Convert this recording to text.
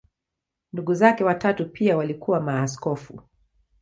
Ndugu zake watatu pia walikuwa maaskofu.